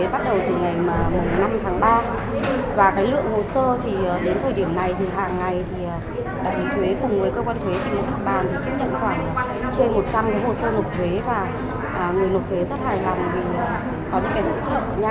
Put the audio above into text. vì vậy người nộp thuế rất hài hòng vì có những hỗ trợ nhanh và có những vấn đề giải đáp phát mức